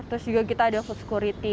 terus juga kita ada food security